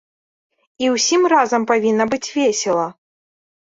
І ўсім разам павінна быць весела.